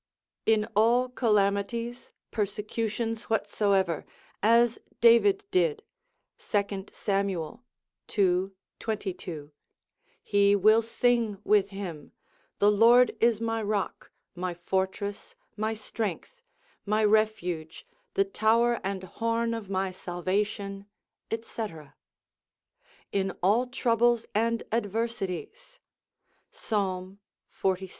In all calamities, persecutions whatsoever, as David did, 2 Sam. ii. 22, he will sing with him, the Lord is my rock, my fortress, my strength, my refuge, the tower and horn of my salvation, &c. In all troubles and adversities, Psal. xlvi.